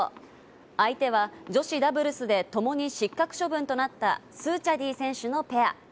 相手は女子ダブルスでともに失格処分となったスーチャディ選手のペア。